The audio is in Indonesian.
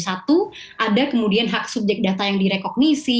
satu ada kemudian hak subjek data yang direkognisi